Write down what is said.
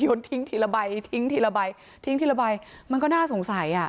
ทิ้งทีละใบทิ้งทีละใบทิ้งทีละใบมันก็น่าสงสัยอ่ะ